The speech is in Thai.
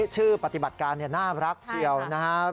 ชื่อปฏิบัติการน่ารักเชียวนะครับ